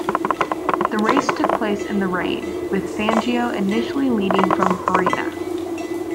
The race took place in the rain, with Fangio initially leading from Farina.